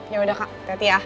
ya udah kak teti ya